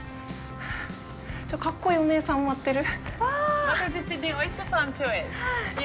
かっこいいお姉さんが待ってる。